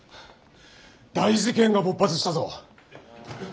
大事件が勃発したぞ！